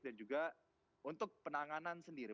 dan juga untuk penanganan sendiri